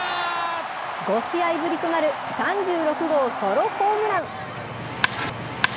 ５試合ぶりとなる３６号ソロホームラン。